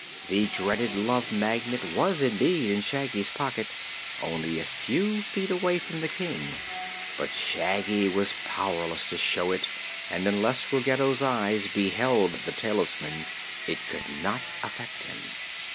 The dreaded Love Magnet was indeed in Shaggy's pocket, only a few feet away from the King, but Shaggy was powerless to show it and unless Ruggedo's eyes beheld the talisman it could not affect him.